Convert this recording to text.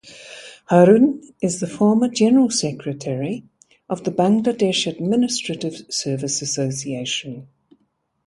Harun is the former General Secretary of the Bangladesh Administrative Service Association.